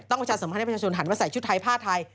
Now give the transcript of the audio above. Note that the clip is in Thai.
ต้องประชาสมภัณฑ์ให้ประชาชนหันว่าใส่ชุดไทยผ้าไทย